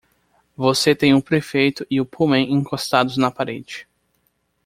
Você tem o prefeito e o Pullman encostados na parede.